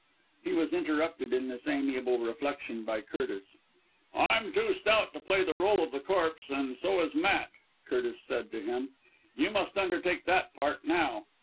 He was interrupted in this amiable reflection by Curtis. "I'm too stout to play the rôle of the corpse, and so is Matt," Curtis said to him; "you must undertake that part. Now!"